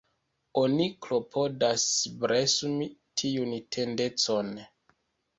Oni klopodas bremsi tiun tendencon.